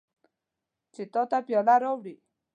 چې تا ته پیاله راوړي.